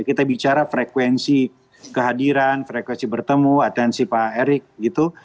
kita bicara frekuensi kehadiran frekuensi bertemu atensi pak erick gitu